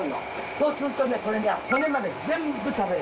そうするとねこれね骨まで全部食べられる。